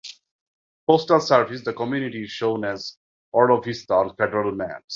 Postal Service, the community is shown as Orlovista on federal maps.